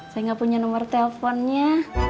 saya gak punya nomor telfonnya